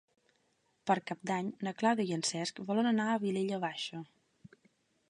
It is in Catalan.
Per Cap d'Any na Clàudia i en Cesc volen anar a la Vilella Baixa.